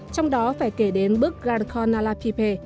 trong đó phải kể đến bức garnacona la fipe